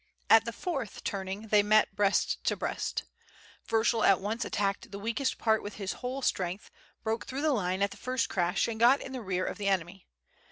At the fourth turning they met breast to breast. Vyershul at once attacked the weakest part with his whole strength broke through the line at the first crash and got in the rear of the enemy.